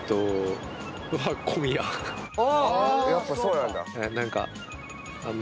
あっやっぱそうなんだ。